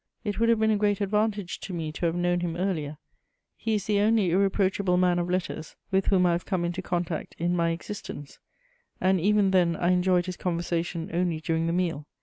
It would have been a great advantage to me to have known him earlier: he is the only irreproachable man of letters with whom I have come into contact in my existence, and even then I enjoyed his conversation only during the meal.